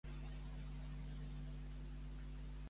Quan va ser ejectat el CryoSat?